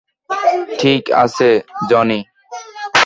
ঠিক আছে, জনি।